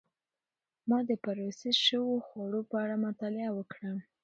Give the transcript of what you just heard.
ما د پروسس شوو خوړو په اړه مطالعه وکړه.